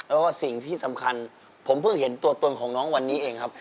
แล้วก็สิ่งที่สำคัญผมเพิ่งเห็นตัวตนของน้องวันนี้เองครับ